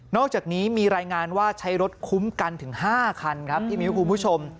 อกจากนี้มีรายงานว่าใช้รถคุ้มกันถึง๕คันครับพี่มิ้วคุณผู้ชม